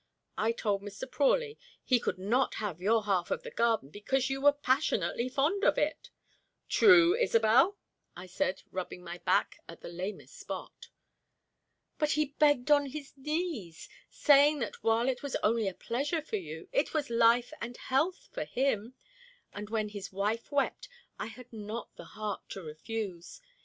I told Mr. Prawley he could not have your half of the garden, because you were passionately fond of it " "True, Isobel!" I said, rubbing my back at the lamest spot. "But he begged on his knees, saying that while it was only a pleasure for you, it was life and health for him, and when his wife wept, I had not the heart to refuse.